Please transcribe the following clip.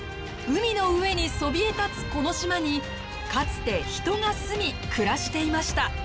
海の上にそびえ立つこの島にかつて人が住み暮らしていました。